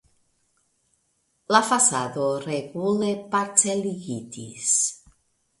La fasado regule parceligitis.